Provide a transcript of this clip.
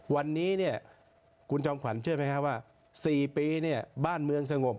วันนี้เนี่ยคุณจอมขวัญเชื่อไหมครับว่า๔ปีเนี่ยบ้านเมืองสงบ